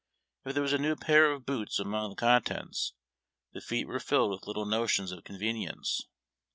If there was a new pair of boots among the contents, the feet were filled with little notions of convenience.